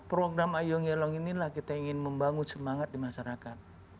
program ayo ngelong inilah kita ingin membangun semangat di masyarakat